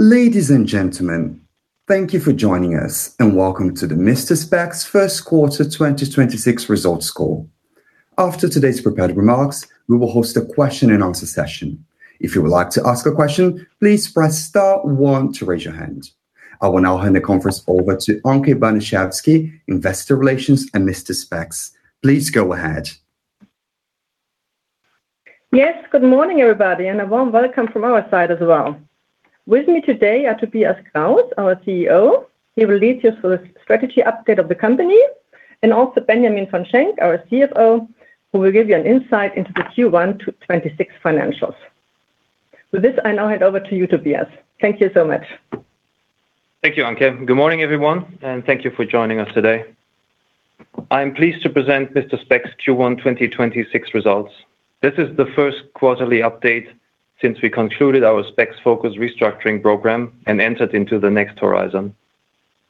Ladies and gentlemen, thank you for joining us, and welcome to the Mister Spex First Quarter 2026 Results Call. After today's prepared remarks, we will host a question and answer session. If you would like to ask a question, please press star one to raise your hand. I will now hand the conference over to Anke Banaschewski, investor relations at Mister Spex. Please go ahead. Yes, good morning, everybody, and a warm welcome from our side as well. With me today are Tobias Krauss, our CEO. He will lead you through the strategy update of the company, also Benjamin von Schenck, our CFO, who will give you an insight into the Q1 2026 financials. With this, I now hand over to you, Tobias. Thank you so much. Thank you, Anke. Good morning, everyone, and thank you for joining us today. I am pleased to present Mister Spex Q1 2026 results. This is the first quarterly update since we concluded our SpexFocus restructuring program and entered into the next horizon.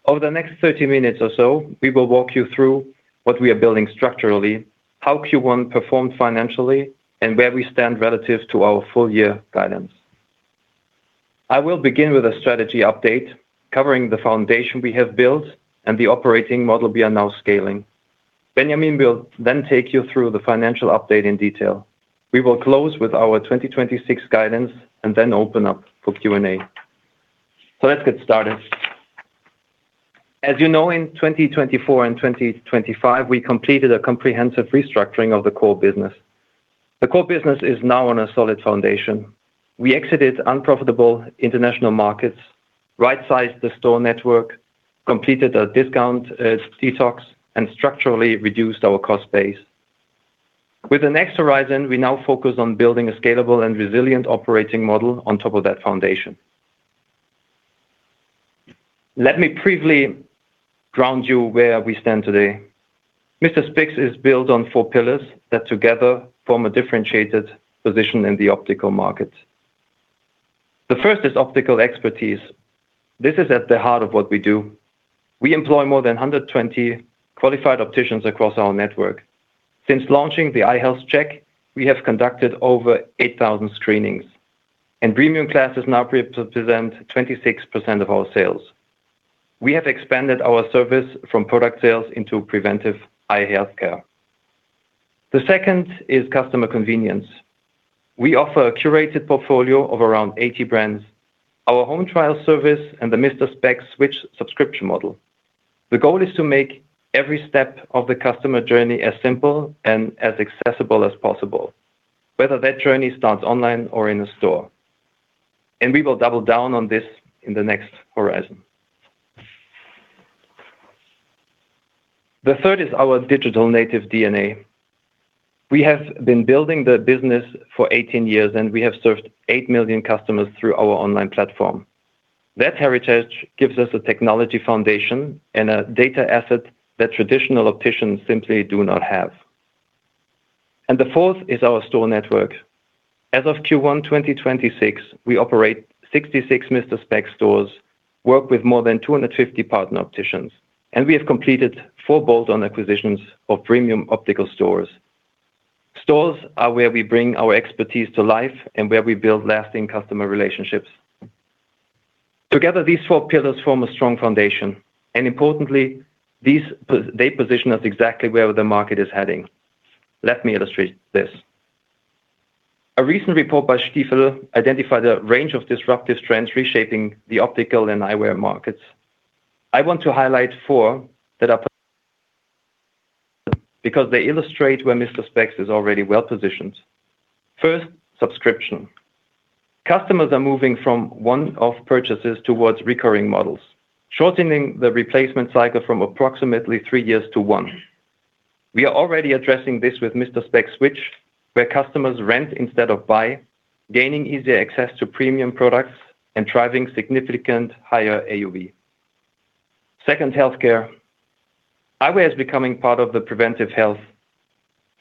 Over the next 30 minutes or so, we will walk you through what we are building structurally, how Q1 performed financially, and where we stand relative to our full year guidance. I will begin with a strategy update covering the foundation we have built and the operating model we are now scaling. Benjamin will then take you through the financial update in detail. We will close with our 2026 guidance and then open up for Q&A. Let's get started. As you know, in 2024 and 2025, we completed a comprehensive restructuring of the core business. The core business is now on a solid foundation. We exited unprofitable international markets, right-sized the store network, completed a discount detox, and structurally reduced our cost base. With the next horizon, we now focus on building a scalable and resilient operating model on top of that foundation. Let me briefly ground you where we stand today. Mister Spex is built on four pillars that together form a differentiated position in the optical market. The first is optical expertise. This is at the heart of what we do. We employ more than 120 qualified opticians across our network. Since launching the Eye Health Check, we have conducted over 8,000 screenings, and premium brands is now represent 26% of our sales. We have expanded our service from product sales into preventive eye health care. The second is customer convenience. We offer a curated portfolio of around 80 brands, our home trial service, and the Mister Spex Switch subscription model. The goal is to make every step of the customer journey as simple and as accessible as possible, whether that journey starts online or in a store, and we will double down on this in the next horizon. The third is our digital native DNA. We have been building the business for 18 years, and we have served 8 million customers through our online platform. That heritage gives us a technology foundation and a data asset that traditional opticians simply do not have. The fourth is our store network. As of Q1 2026, we operate 66 Mister Spex stores, work with more than 250 partner opticians, and we have completed four bolt-on acquisitions of premium optical stores. Stores are where we bring our expertise to life and where we build lasting customer relationships. Together, these four pillars form a strong foundation, and importantly, they position us exactly where the market is heading. Let me illustrate this. A recent report by Stifel identified a range of disruptive trends reshaping the optical and eyewear markets. I want to highlight four, because they illustrate where Mister Spex is already well-positioned. First, subscription. Customers are moving from one-off purchases towards recurring models, shortening the replacement cycle from approximately three years to one. We are already addressing this with Mister Spex Switch, where customers rent instead of buy, gaining easier access to premium products and driving significant higher AUV. Second, healthcare. Eyewear is becoming part of the preventive health,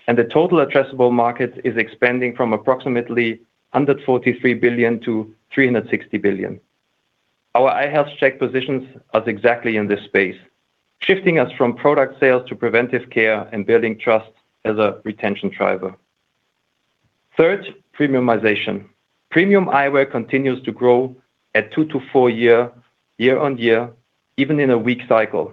and the total addressable market is expanding from approximately 143 billion-360 billion. Our Eye Health Check positions us exactly in this space, shifting us from product sales to preventive care and building trust as a retention driver. Third, premiumization. Premium eyewear continues to grow at 2%-4% year-on-year, even in a weak cycle.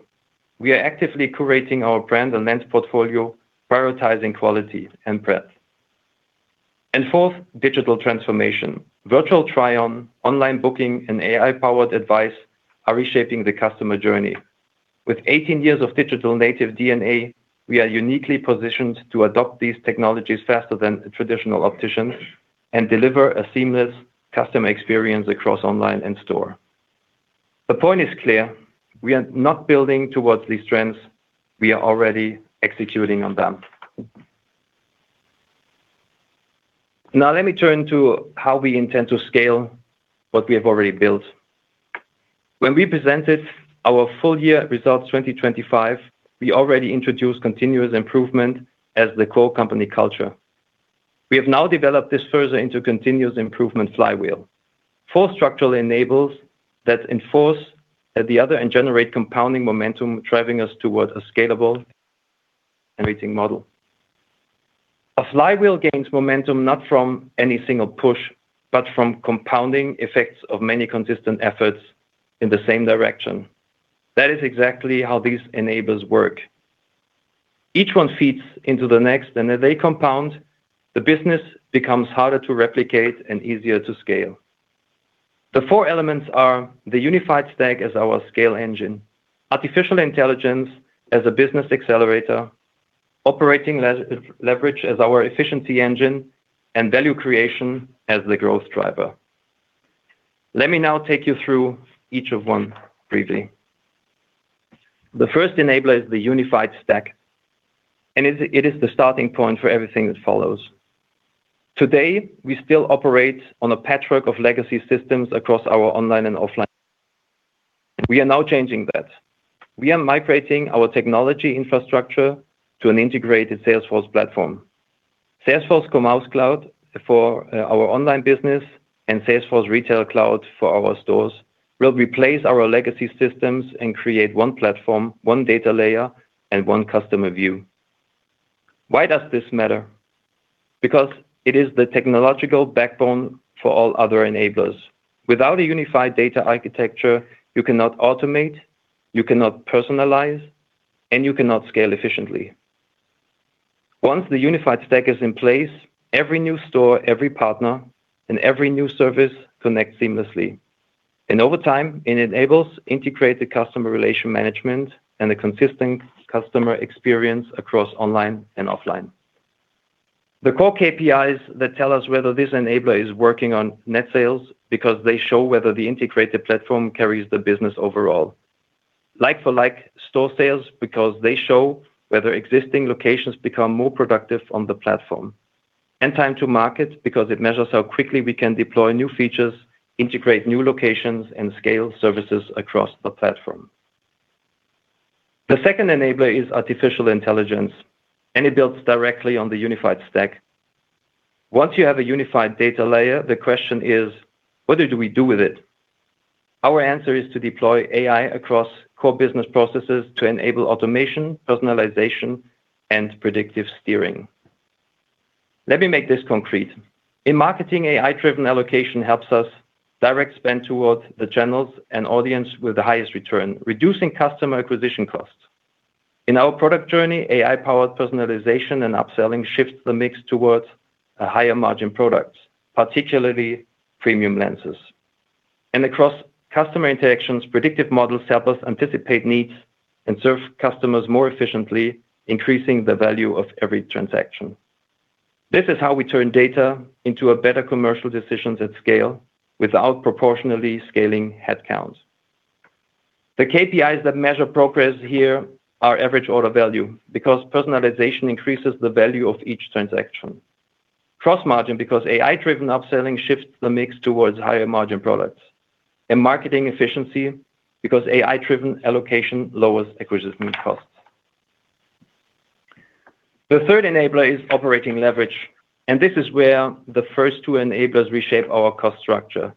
We are actively curating our brand and lens portfolio, prioritizing quality and breadth. Fourth, digital transformation. virtual try-on, online booking, and AI-powered advice are reshaping the customer journey. With 18 years of digital native DNA, we are uniquely positioned to adopt these technologies faster than traditional opticians and deliver a seamless customer experience across online and store. The point is clear. We are not building towards these trends. We are already executing on them. Now let me turn to how we intend to scale what we have already built. When we presented our full year results 2025, we already introduced continuous improvement as the core company culture. We have now developed this further into continuous improvement flywheel. Four structural enablers that enforce at the other and generate compounding momentum, driving us towards a scalable and operating model. A flywheel gains momentum not from any single push, but from compounding effects of many consistent efforts in the same direction. That is exactly how these enablers work. Each one feeds into the next, and as they compound, the business becomes harder to replicate and easier to scale. The four elements are the unified stack as our scale engine, artificial intelligence as a business accelerator, operating leverage as our efficiency engine, and value creation as the growth driver. Let me now take you through each one briefly. The first enabler is the unified stack, and it is the starting point for everything that follows. Today, we still operate on a patchwork of legacy systems across our online and offline. We are now changing that. We are migrating our technology infrastructure to an integrated Salesforce platform. Salesforce Commerce Cloud for our online business and Salesforce Retail Cloud for our stores will replace our legacy systems and create one platform, one data layer, and one customer view. Why does this matter? It is the technological backbone for all other enablers. Without a unified data architecture, you cannot automate, you cannot personalize, and you cannot scale efficiently. Once the unified stack is in place, every new store, every partner, and every new service connects seamlessly. Over time, it enables integrated customer relation management and a consistent customer experience across online and offline. The core KPIs that tell us whether this enabler is working on net sales because they show whether the integrated platform carries the business overall. Like-for-like store sales because they show whether existing locations become more productive on the platform. Time to market because it measures how quickly we can deploy new features, integrate new locations, and scale services across the platform. The second enabler is artificial intelligence, and it builds directly on the unified stack. Once you have a unified data layer, the question is, what do we do with it? Our answer is to deploy AI across core business processes to enable automation, personalization, and predictive steering. Let me make this concrete. In marketing, AI-driven allocation helps us direct spend towards the channels and audience with the highest return, reducing customer acquisition costs. In our product journey, AI-powered personalization and upselling shifts the mix towards a higher margin product, particularly premium lenses. Across customer interactions, predictive models help us anticipate needs and serve customers more efficiently, increasing the value of every transaction. This is how we turn data into a better commercial decisions at scale without proportionally scaling headcounts. The KPIs that measure progress here are average order value, because personalization increases the value of each transaction. Cross margin, because AI-driven upselling shifts the mix towards higher margin products. Marketing efficiency, because AI-driven allocation lowers acquisition costs. The third enabler is operating leverage, and this is where the first two enablers reshape our cost structure.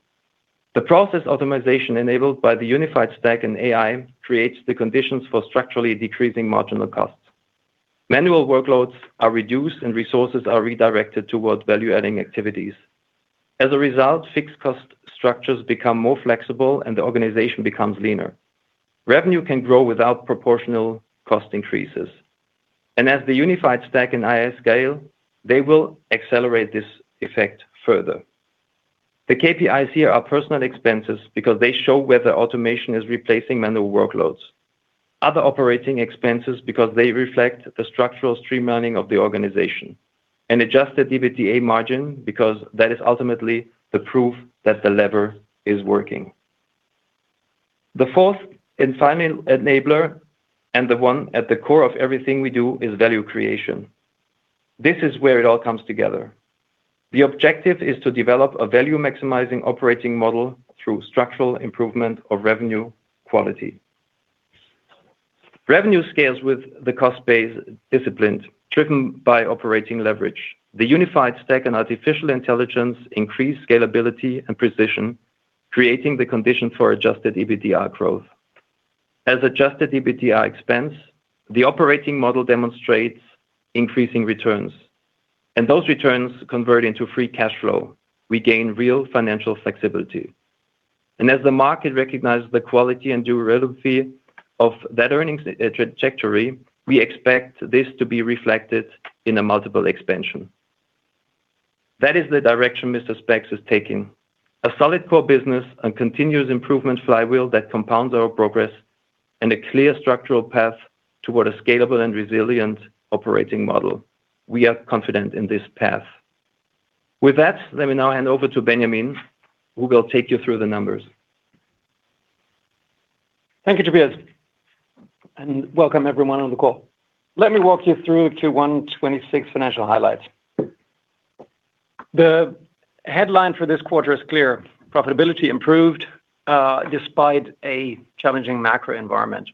The process optimization enabled by the unified stack and AI creates the conditions for structurally decreasing marginal costs. Manual workloads are reduced and resources are redirected towards value-adding activities. As a result, fixed cost structures become more flexible and the organization becomes leaner. Revenue can grow without proportional cost increases. As the unified stack and AI scale, they will accelerate this effect further. The KPIs here are personal expenses because they show whether automation is replacing manual workloads. Other operating expenses because they reflect the structural streamlining of the organization. Adjusted EBITDA margin because that is ultimately the proof that the lever is working. The fourth and final enabler, and the one at the core of everything we do, is value creation. This is where it all comes together. The objective is to develop a value-maximizing operating model through structural improvement of revenue quality. Revenue scales with the cost-based disciplines driven by operating leverage. The unified stack and artificial intelligence increase scalability and precision, creating the condition for adjusted EBITDA growth. As adjusted EBITDA expands, the operating model demonstrates increasing returns, and those returns convert into free cash flow. We gain real financial flexibility. As the market recognizes the quality and durability of that earnings trajectory, we expect this to be reflected in a multiple expansion. That is the direction Mister Spex is taking. A solid core business and continuous improvement flywheel that compounds our progress and a clear structural path toward a scalable and resilient operating model. We are confident in this path. With that, let me now hand over to Benjamin, who will take you through the numbers. Thank you, Tobias, and welcome everyone on the call. Let me walk you through Q1 2026 financial highlights. The headline for this quarter is clear. Profitability improved despite a challenging macro environment.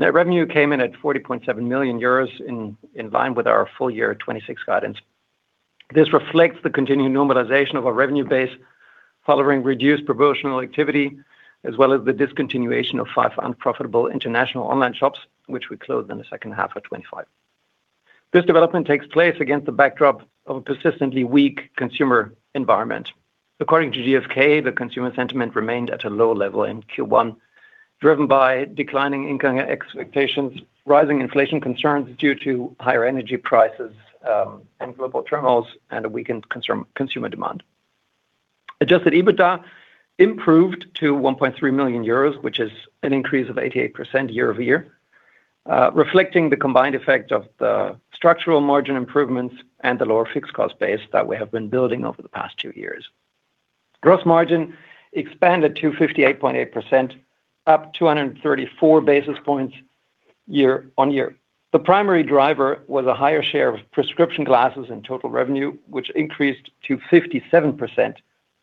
Net revenue came in at 40.7 million euros in line with our full year 2026 guidance. This reflects the continuing normalization of our revenue base following reduced promotional activity, as well as the discontinuation of five unprofitable international online shops, which we closed in the second half of 2025. This development takes place against the backdrop of a persistently weak consumer environment. According to GfK, the consumer sentiment remained at a low level in Q1, driven by declining income expectations, rising inflation concerns due to higher energy prices, and global turmoils, and a weakened consumer demand. Adjusted EBITDA improved to 1.3 million euros, which is an increase of 88% year-over-year, reflecting the combined effect of the structural margin improvements and the lower fixed cost base that we have been building over the past two years. Gross margin expanded to 58.8%, up 234 basis points year-on-year. The primary driver was a higher share of prescription glasses and total revenue, which increased to 57%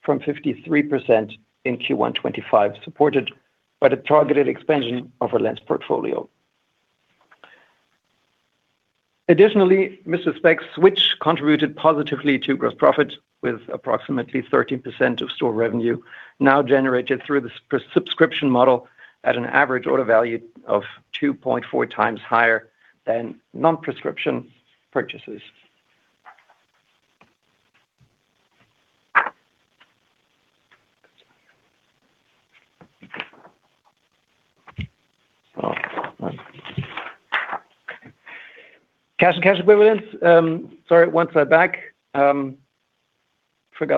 from 53% in Q1 2025, supported by the targeted expansion of our lens portfolio. Additionally, Mister Spex Switch contributed positively to gross profit, with approximately 13% of store revenue now generated through the subscription model at an average order value of 2.4x higher than non-prescription purchases. Cash and cash equivalents, sorry, one slide back. Forgot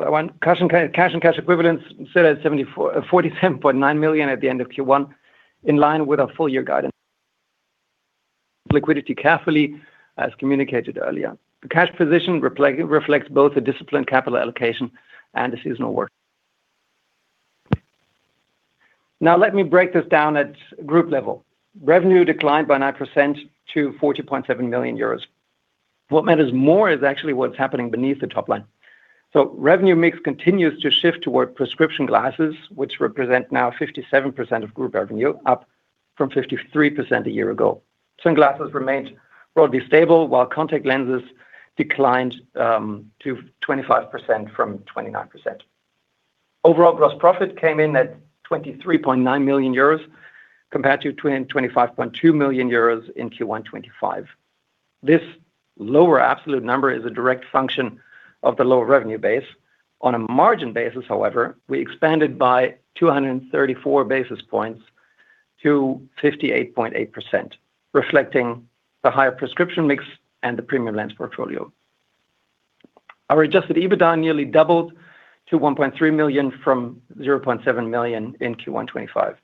that one. Cash and cash equivalents stood at 47.9 million at the end of Q1, in line with our full year guidance. Liquidity carefully, as communicated earlier. The cash position reflects both a disciplined capital allocation and a seasonal work. Let me break this down at group level. Revenue declined by 9% to 40.7 million euros. What matters more is actually what's happening beneath the top line. Revenue mix continues to shift toward prescription glasses, which represent now 57% of group revenue, up from 53% a year ago. Sunglasses remained broadly stable, while contact lenses declined to 25% from 29%. Overall, gross profit came in at 23.9 million euros, compared to 25.2 million euros in Q1 2025. This lower absolute number is a direct function of the lower revenue base. On a margin basis, however, we expanded by 234 basis points to 58.8%, reflecting the higher prescription mix and the premium lens portfolio. Our adjusted EBITDA nearly doubled to 1.3 million from 0.7 million in Q1 2025.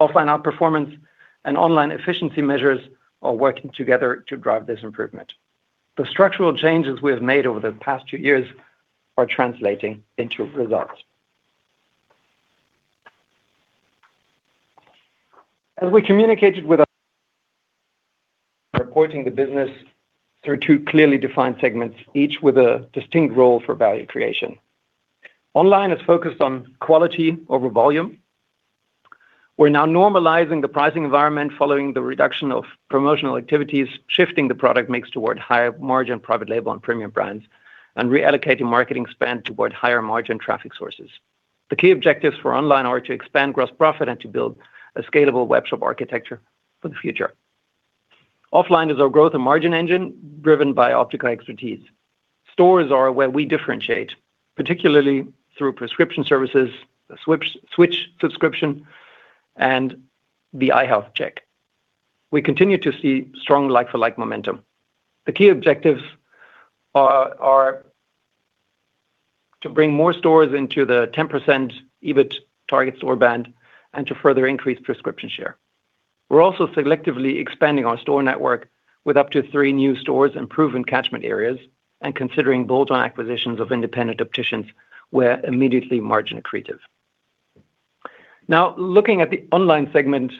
Offline outperformance and online efficiency measures are working together to drive this improvement. The structural changes we have made over the past two years are translating into results. As we communicated with our reporting the business through two clearly defined segments, each with a distinct role for value creation. Online is focused on quality over volume. We're now normalizing the pricing environment following the reduction of promotional activities, shifting the product mix toward higher margin private label and premium brands, and reallocating marketing spend toward higher margin traffic sources. The key objectives for online are to expand gross profit and to build a scalable webshop architecture for the future. Offline is our growth and margin engine, driven by optical expertise. Stores are where we differentiate, particularly through prescription services, the Mister Spex Switch subscription, and the Eye Health Check. We continue to see strong like-for-like momentum. The key objectives are to bring more stores into the 10% EBIT target store band and to further increase prescription share. We're also selectively expanding our store network with up to three new stores in proven catchment areas and considering bolt-on acquisitions of independent opticians where immediately margin accretive. Now, looking at the online segment,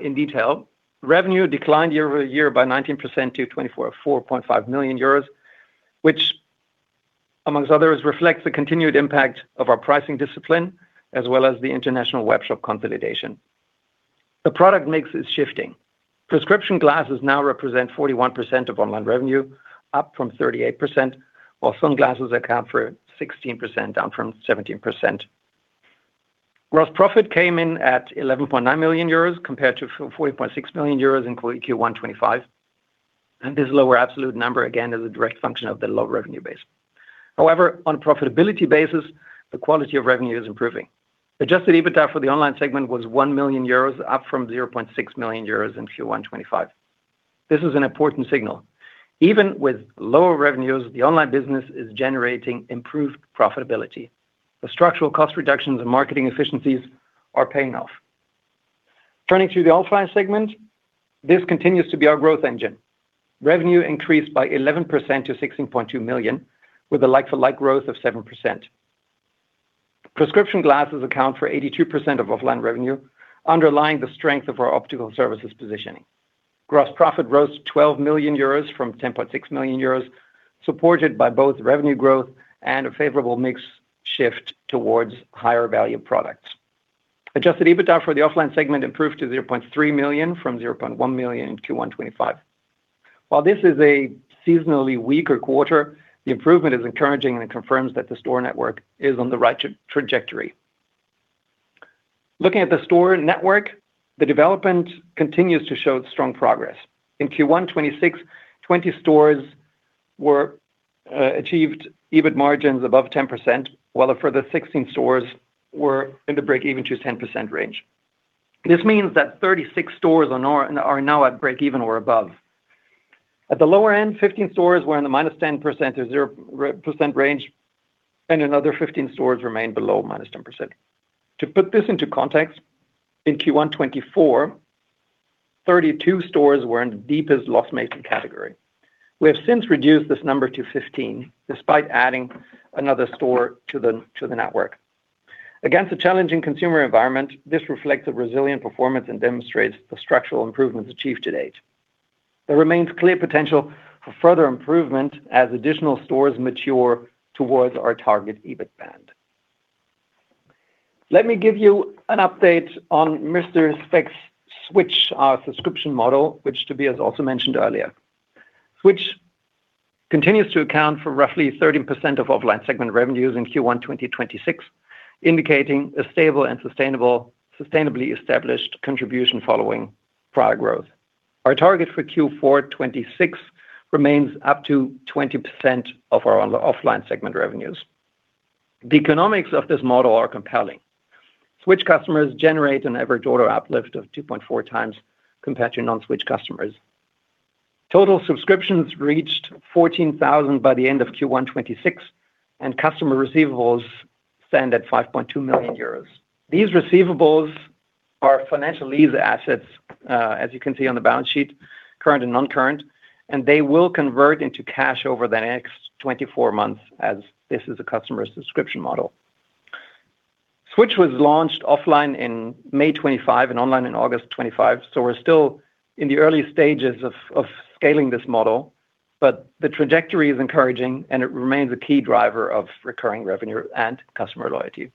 in detail, revenue declined year-over-year by 19% to 24.5 million euros, which amongst others, reflects the continued impact of our pricing discipline as well as the international webshop consolidation. The product mix is shifting. Prescription glasses now represent 41% of online revenue, up from 38%, while sunglasses account for 16%, down from 17%. Gross profit came in at 11.9 million euros compared to 40.6 million euros in Q1 2025, this lower absolute number again is a direct function of the low revenue base. On a profitability basis, the quality of revenue is improving. Adjusted EBITDA for the online segment was 1 million euros, up from 0.6 million euros in Q1 2025. This is an important signal. Even with lower revenues, the online business is generating improved profitability. The structural cost reductions and marketing efficiencies are paying off. Turning to the offline segment, this continues to be our growth engine. Revenue increased by 11% to 16.2 million, with a like-for-like growth of 7%. Prescription glasses account for 82% of offline revenue, underlying the strength of our optical services positioning. Gross profit rose to 12 million euros from 10.6 million euros, supported by both revenue growth and a favorable mix shift towards higher value products. Adjusted EBITDA for the offline segment improved to 0.3 million from 0.1 million in Q1 2025. While this is a seasonally weaker quarter, the improvement is encouraging and it confirms that the store network is on the right trajectory. Looking at the store network, the development continues to show strong progress. In Q1 2026, 20 stores achieved EBIT margins above 10%, while a further 16 stores were in the breakeven to 10% range. This means that 36 stores are now at breakeven or above. At the lower end, 15 stores were in the -10% to 0% range, and another 15 stores remained below -10%. To put this into context, in Q1 2024, 32 stores were in the deepest loss-making category. We have since reduced this number to 15, despite adding another store to the network. Against a challenging consumer environment, this reflects a resilient performance and demonstrates the structural improvements achieved to date. There remains clear potential for further improvement as additional stores mature towards our target EBIT band. Let me give you an update on Mister Spex Switch, our subscription model, which Tobias also mentioned earlier. Switch continues to account for roughly 13% of offline segment revenues in Q1 2026, indicating a stable and sustainably established contribution following prior growth. Our target for Q4 2026 remains up to 20% of our on-offline segment revenues. The economics of this model are compelling. Switch customers generate an average order uplift of 2.4x compared to non-Switch customers. Total subscriptions reached 14,000 by the end of Q1 2026. Customer receivables stand at 5.2 million euros. These receivables are financial lease assets, as you can see on the balance sheet, current and non-current, and they will convert into cash over the next 24 months as this is a customer subscription model. Switch was launched offline in May 2025 and online in August 2025. We're still in the early stages of scaling this model, but the trajectory is encouraging and it remains a key driver of recurring revenue and customer loyalty.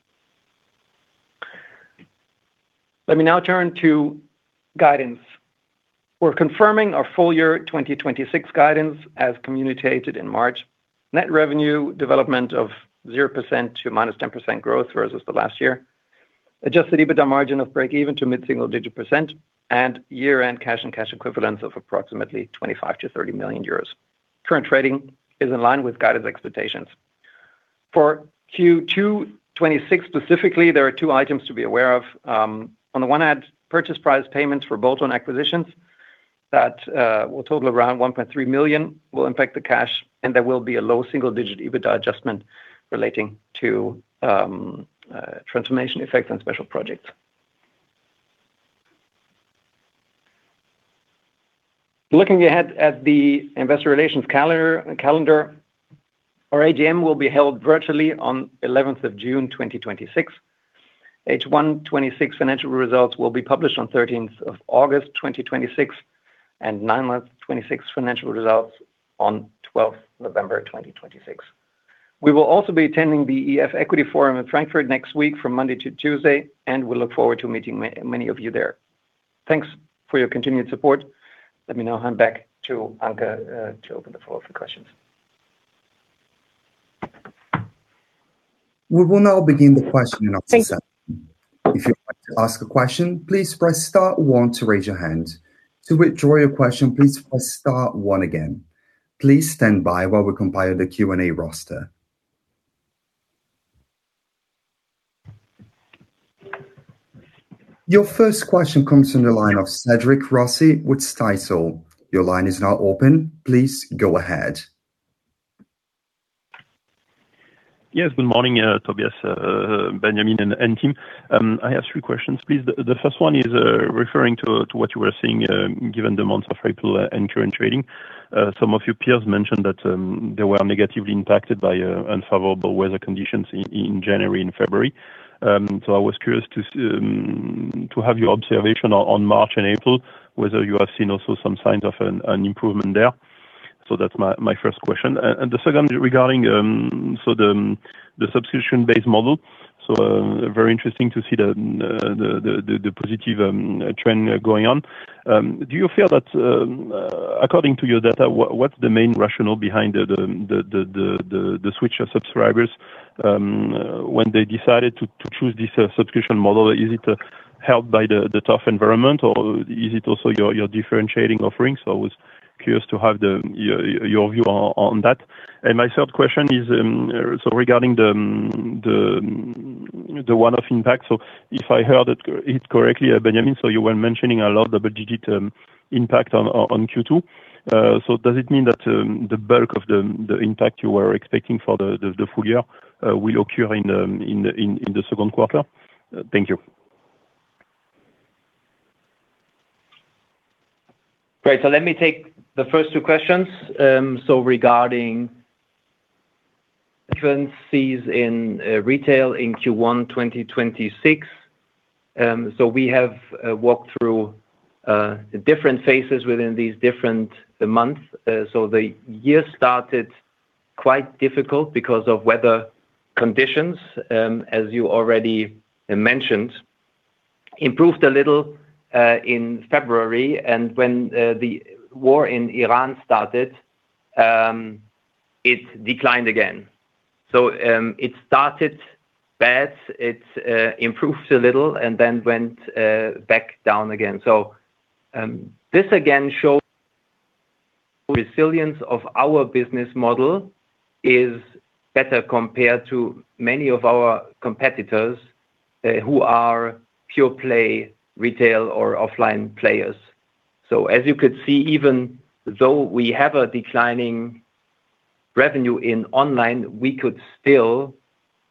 Let me now turn to guidance. We're confirming our full year 2026 guidance as communicated in March. Net revenue development of 0% to -10% growth versus the last year. Adjusted EBITDA margin of breakeven to mid-single digit percent and year-end cash and cash equivalents of approximately 25 million-30 million euros. Current trading is in line with guidance expectations. For Q2 2026 specifically, there are two items to be aware of. On the one hand, purchase price payments for bolt-on acquisitions that will total around 1.3 million will impact the cash, and there will be a low single-digit EBITDA adjustment relating to transformation effects on special projects. Looking ahead at the investor relations calendar, our AGM will be held virtually on June 11, 2026. H1 2026 financial results will be published on August 13, 2026, and nine-month 2026 financial results on November 12, 2026. We will also be attending the EF Equity Forum in Frankfurt next week from Monday to Tuesday. We look forward to meeting many of you there. Thanks for your continued support. Let me now hand back to Anke to open the floor for questions. We will now begin the question and answer session. If you want to ask a question, please press star one to raise your hand. To withdraw your question, please press star one again. Please stand by while we compile the Q&A roster. Your first question comes from the line of Cédric Rossi with Stifel. Your line is now open. Please go ahead. Yes, good morning, Tobias, Benjamin and team. I have three questions, please. The first one is referring to what you were saying, given the months of April and current trading. Some of your peers mentioned that they were negatively impacted by unfavorable weather conditions in January and February. I was curious to have your observation on March and April, whether you have seen also some signs of an improvement there. That's my first question. And the second regarding the subscription-based model. Very interesting to see the positive trend going on. Do you feel that, according to your data, what's the main rationale behind the Switch subscribers when they decided to choose this subscription model? Is it helped by the tough environment or is it also your differentiating offering? I was curious to have your view on that. My third question is regarding the one-off impact. If I heard it correctly, Benjamin, you were mentioning a low double-digit impact on Q2. Does it mean that the bulk of the impact you were expecting for the full year will occur in the second quarter? Thank you. Great. Let me take the first two questions. Regarding trends seen in retail in Q1 2026. We have walked through the different phases within these different months. The year started quite difficult because of weather conditions, as you already mentioned. Improved a little in February, and when the war in Iran started, it declined again. It started bad. It's improved a little and then went back down again. This again shows the resilience of our business model is better compared to many of our competitors, who are pure play retail or offline players. As you could see, even though we have a declining revenue in online, we could still,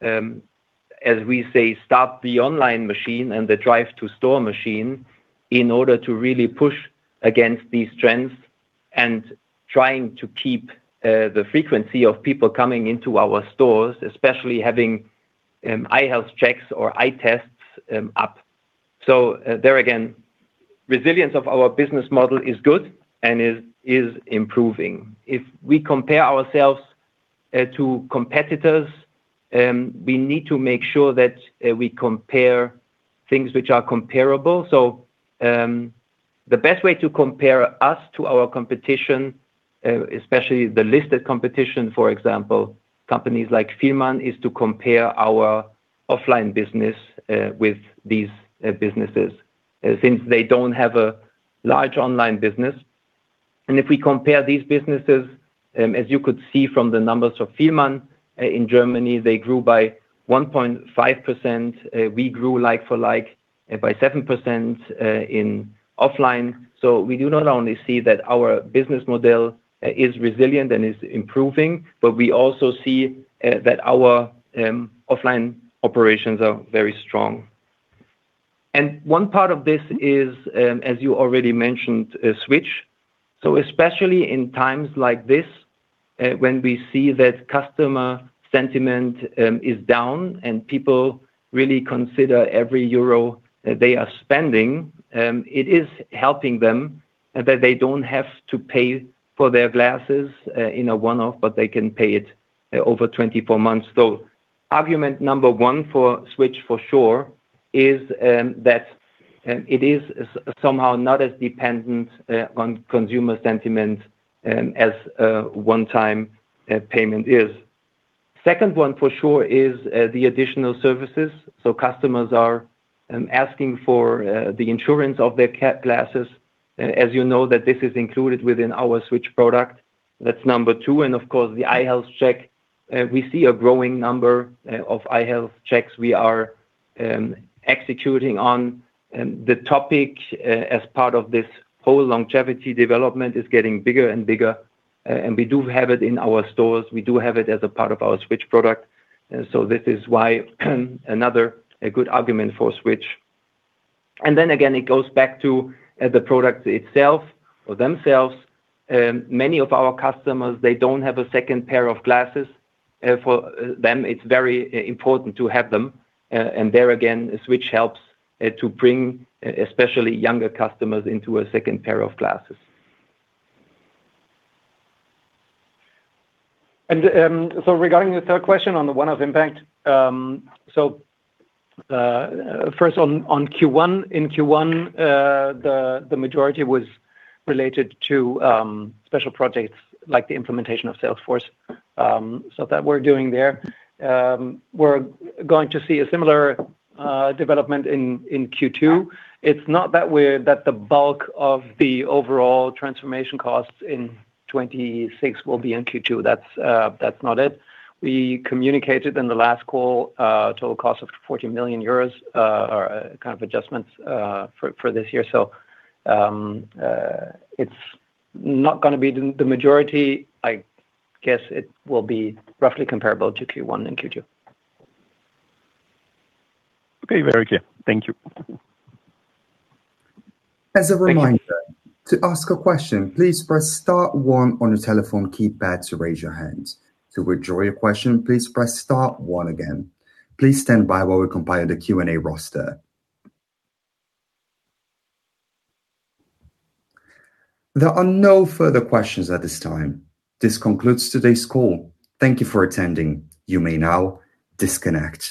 as we say, start the online machine and the drive to store machine in order to really push against these trends and trying to keep the frequency of people coming into our stores, especially having Eye Health Checks or eye tests and up. There again, resilience of our business model is good and is improving. If we compare ourselves to competitors, we need to make sure that we compare things which are comparable. The best way to compare us to our competition, especially the listed competition, for example, companies like Fielmann, is to compare our offline business with these businesses, since they don't have a large online business. If we compare these businesses, as you could see from the numbers of Fielmann, in Germany, they grew by 1.5%. We grew like-for-like by 7% in offline. We do not only see that our business model is resilient and is improving, but we also see that our offline operations are very strong. One part of this is, as you already mentioned, Switch. Especially in times like this, when we see that customer sentiment is down and people really consider every euro that they are spending, it is helping them that they don't have to pay for their glasses in a one-off, but they can pay it over 24 months. Argument number one for Switch for sure is that it is somehow not as dependent on consumer sentiment as a one-time payment is. Second one for sure is the additional services. Customers are asking for the insurance of their glasses. As you know that this is included within our Switch product. That's number two, and of course, the Eye Health Check. We see a growing number of Eye Health Checks we are executing on. The topic as part of this whole longevity development is getting bigger and bigger. We do have it in our stores. We do have it as a part of our Switch product. This is why, a good argument for Switch. Again, it goes back to the product itself or themselves. Many of our customers, they don't have a second pair of glasses. For them it's very important to have them. There again, Switch helps to bring especially younger customers into a second pair of glasses. Regarding the third question on the one-off impact, first on Q1. In Q1, the majority was related to special projects like the implementation of Salesforce, stuff that we're doing there. We're going to see a similar development in Q2. It's not that the bulk of the overall transformation costs in 2026 will be in Q2. That's not it. We communicated in the last call, total cost of 14 million euros are kind of adjustments for this year. It's not gonna be the majority. I guess it will be roughly comparable to Q1 and Q2. Okay. Very clear. Thank you. As a reminder, to ask a question, please press star one on your telephone keypad to raise your hand. To withdraw your question, please press star one again. Please stand by while we compile the Q&A roster. There are no further questions at this time. This concludes today's call. Thank you for attending. You may now disconnect.